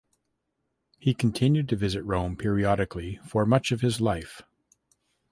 He continued to visit Rome periodically for much of his life.